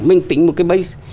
mình tính một cái base